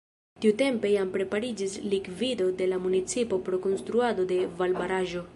Tiutempe jam prepariĝis likvido de la municipo pro konstruado de valbaraĵo.